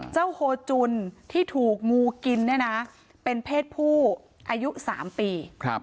โฮจุนที่ถูกงูกินเนี่ยนะเป็นเพศผู้อายุ๓ปี